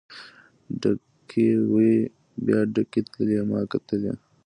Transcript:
ډکې وې بیا ډکې تللې ما کتلی.